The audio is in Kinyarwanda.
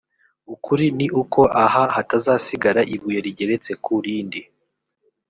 ukuri ni uko aha hatazasigara ibuye rigeretse ku rindi